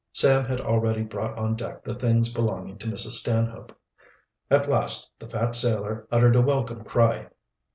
Sam had already brought on deck the things belonging to Mrs. Stanhope. At last the fat sailor uttered a welcome cry.